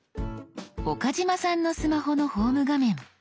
岡嶋さんのスマホのホーム画面。